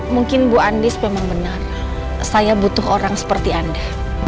mungkin bu andis memang benar saya butuh orang seperti anda